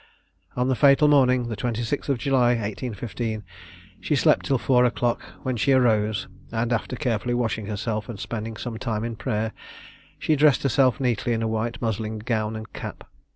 On the fatal morning, the 26th July, 1815, she slept till four o'clock, when she arose, and, after carefully washing herself, and spending some time in prayer, she dressed herself neatly in a white muslin gown and cap.